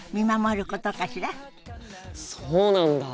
そうなんだ。